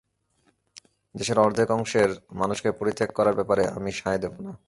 দেশের অর্ধেক অংশের মানুষকে পরিত্যাগ করার ব্যাপারে আমি সায় দেব না!